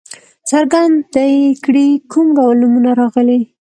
څرګنده دې کړي کوم ډول نومونه راغلي.